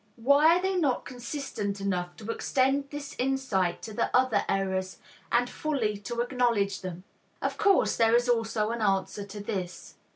Why are they not consistent enough to extend this insight to the other errors, and fully to acknowledge them? Of course, there is also an answer to this.